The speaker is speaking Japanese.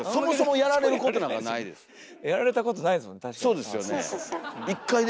やられたことないですもんね